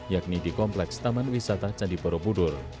yakni di kompleks taman wisata candi borobudur